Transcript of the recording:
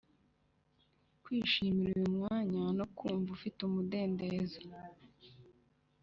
kwishimira uyu mwanya no kumva ufite umudendezo,